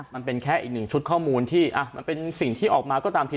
มันเป็นแค่อีกหนึ่งชุดข้อมูลที่มันเป็นสิ่งที่ออกมาก็ตามที